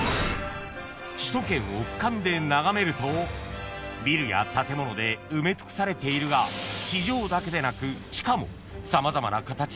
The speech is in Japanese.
［首都圏を俯瞰で眺めるとビルや建物で埋め尽くされているが地上だけでなく］